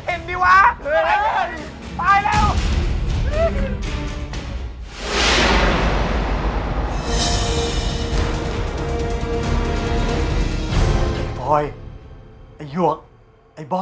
เอาไงอะท่านพลอย